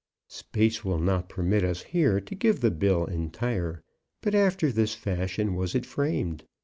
Space will not permit us here to give the bill entire, but after this fashion was it framed.